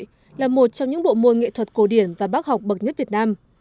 hát bội là một trong những bộ môn nghệ thuật cổ điển và bác học bậc nhất việt nam